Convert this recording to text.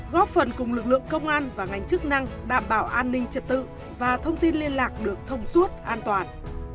góp phần cùng lực lượng công an và ngành chức năng đảm bảo an ninh trật tự và thông tin liên lạc được thông suốt an toàn